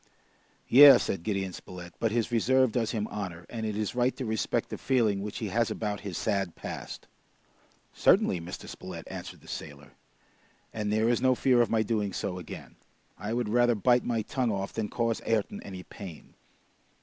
"Yes," said Gideon Spilett, "but his reserve does him honor, and it is right to respect the feeling which he has about his sad past." "Certainly, Mr. Spilett," answered the sailor, "and there is no fear of my doing so again. I would rather bite my tongue off than cause Ayrton any pain!